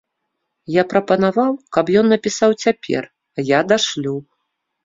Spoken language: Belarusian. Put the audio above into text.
Я прапанаваў, каб ён напісаў цяпер, а я дашлю.